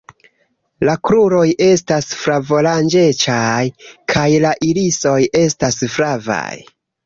La kruroj estas flavoranĝecaj kaj la irisoj estas flavaj.